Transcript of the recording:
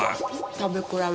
食べ比べ。